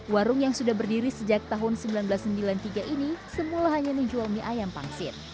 warung yang sudah berdiri sejak tahun seribu sembilan ratus sembilan puluh tiga ini semula hanya menjual mie ayam pangsit